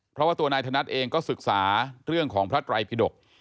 เพราะว่าตัวนายธนัดเองก็ศึกษาเรื่องของพระไตรพิดก